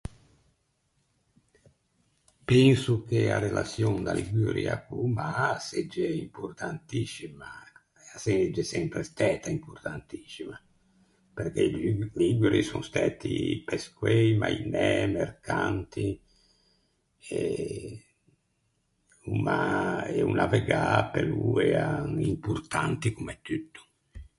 Penso che a relaçion da Liguria co-o mâ a segge importantiscima e a segge sempre stæta importantiscima, perché i Lug- Liguri son sempre stæti pescoei, mainæ, mercanti e o mâ, e o navegâ pe lô o l’ea importante comme tutto.